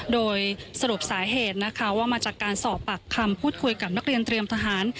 โดยสรุปสาเหตุนะคะว่ามาจากการสอบปากคำพูดคุยกับนักเรียนเตรียมทหาร